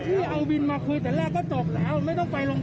พี่เอาบิลมาคุยแต่แรกเป็นไม่ต้องต้อง